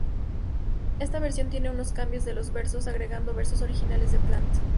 Esta versión tiene unos cambios en los versos, agregando versos originales de Plant.